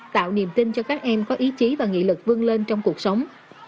tạo niềm tin cho các em có ý chí và nghị lực vương lên trong cuộc sống